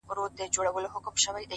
پرېږده چي وپنځوي ژوند ته د موسی معجزې ـ